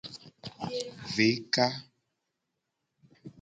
Veka.